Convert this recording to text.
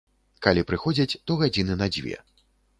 Калі прыходзяць, то гадзіны на дзве.